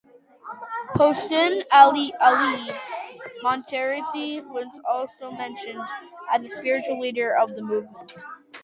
Hossein-Ali Montazeri was also mentioned as spiritual leader of the movement.